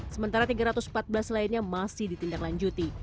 sementara tiga ratus empat belas lainnya masih ditindaklanjuti